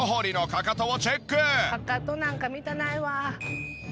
「カカトなんか見たないわ」